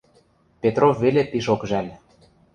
Петров веле пишок жӓл.